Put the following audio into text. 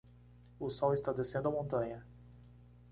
O sol está descendo a montanha.